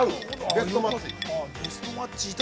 ベストマッチ。